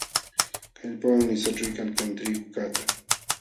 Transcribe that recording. Kallpawanmi saćhuykalkan trigukaqta.